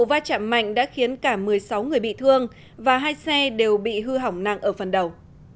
vụ va chạm mạnh đã khiến cả một mươi sáu người bị thương và hai xe đều bị hư hỏng nặng ở phần đầu